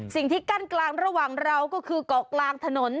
สิ่งที่กั้นกลางระหว่างเราก็คือเกาะกลางถนน